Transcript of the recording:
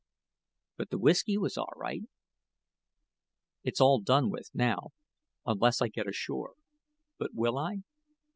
But the whisky was all right. It's all done with now, unless I get ashore but will I?"